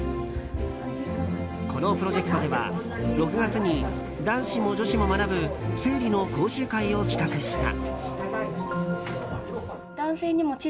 このプロジェクトでは６月に男子も女子も学ぶ生理の講習会を企画した。